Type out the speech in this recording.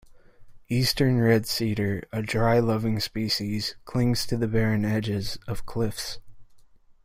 Eastern red cedar, a dry-loving species, clings to the barren edges of cliffs.